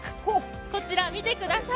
こちら、見てください。